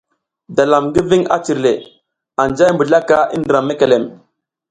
Dalam ngi ving a cirle, anja i mbizlaka i ndram mekelem.